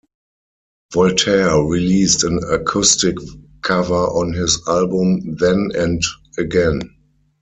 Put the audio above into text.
Voltaire released an acoustic cover on his album "Then and Again".